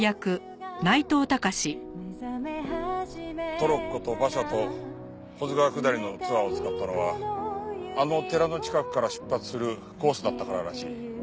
トロッコと馬車と保津川下りのツアーを使ったのはあの寺の近くから出発するコースだったかららしい。